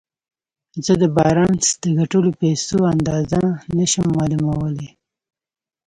زه د بارنس د ګټلو پيسو اندازه نه شم معلومولای.